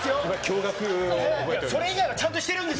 それ以外はちゃんとしてるん